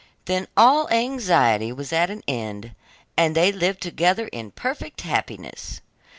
Then all anxiety was at an end, and they lived together in perfect happiness.